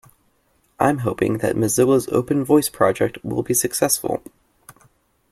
I'm hoping that Mozilla's Open Voice project will be successful.